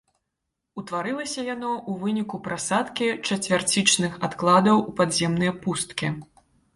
Утварылася яно ў выніку прасадкі чацвярцічных адкладаў у падземныя пусткі.